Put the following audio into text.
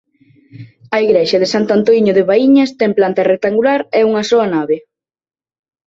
A igrexa de Santo Antoíño de Baíñas ten planta rectangular é unha soa nave.